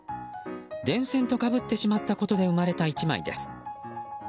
電線とかぶってしまったことで生まれた１枚です。